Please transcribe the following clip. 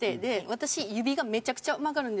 私指がめちゃくちゃ曲がるんですよ。